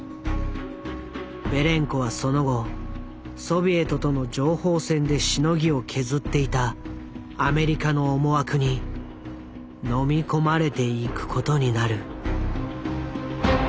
ベレンコはその後ソビエトとの情報戦でしのぎを削っていたアメリカの思惑にのみ込まれていくことになる。